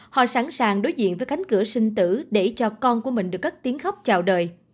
họ sẵn sàng đối diện với cánh cửa sinh tử để cho con của mình được cất tiếng khóc chào đời